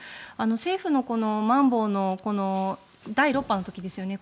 政府のまん防の第６波の時ですよね。